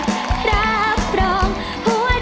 ใจรองได้ช่วยกันรองด้วยนะคะ